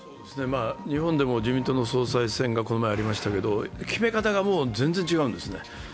日本でも自民党の総裁選が先日ありましたけど、決め方が全然違うんですね。